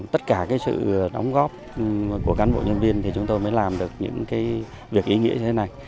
tất cả sự đóng góp của cán bộ nhân viên thì chúng tôi mới làm được những việc ý nghĩa như thế này